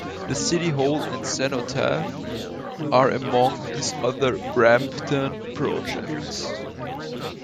The City Hall and Cenotaph are among his other Brampton projects.